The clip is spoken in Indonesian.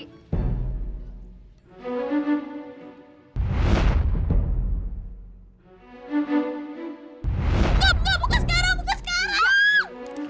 buka buka buka sekarang buka sekarang